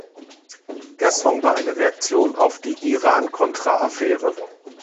Der Song war eine Reaktion auf die "Iran-Contra-Affäre".